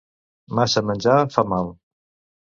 Massa menjar fa mal.